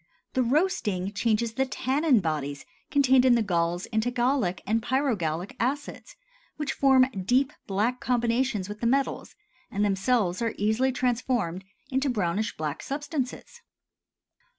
The roasting changes the tannin bodies contained in the galls into gallic and pyrogallic acids which form deep black combinations with the metals, and themselves are easily transformed into brownish black substances.